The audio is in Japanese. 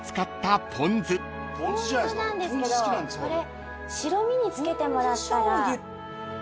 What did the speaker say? ぽん酢なんですけどこれ白身につけてもらったら。